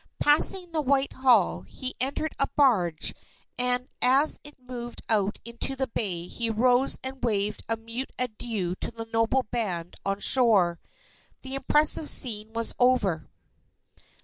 Passing on to Whitehall, he entered a barge, and as it moved out into the bay, he rose and waved a mute adieu to the noble band on shore. The impressive scene was over.